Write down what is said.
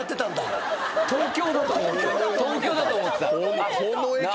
東京だと思ってた。